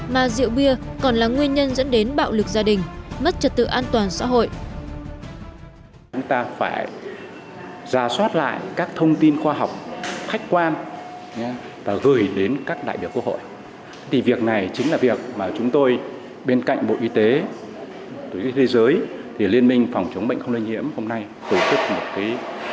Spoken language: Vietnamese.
mà rượu bia còn là nguyên nhân dẫn đến bạo lực gia đình mất trật tự an toàn xã hội